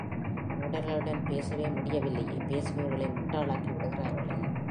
மூடர்களுடன் பேசவே முடியவில்லையே பேசுபவர்களை முட்டாளாக்கி விடுகிறார்களே!